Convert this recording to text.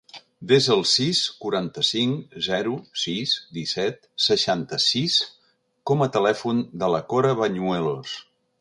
Desa el sis, quaranta-cinc, zero, sis, disset, seixanta-sis com a telèfon de la Cora Bañuelos.